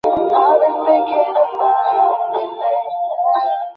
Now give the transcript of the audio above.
ওকে শান্ত করার জন্য কিছু দিয়েছি।